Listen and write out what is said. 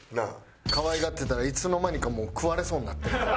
可愛がってたらいつの間にかもう食われそうになってるから。